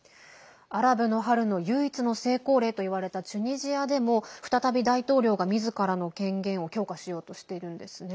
アラブの春の唯一の成功例といわれたチュニジアでも再び大統領がみずからの権限を強化しようとしているんですね。